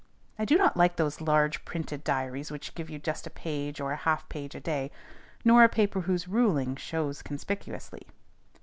I do not like those large printed diaries which give you just a page or half page a day, nor a paper whose ruling shows conspicuously.